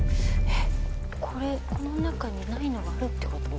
えっこれこの中にないのがあるってこと？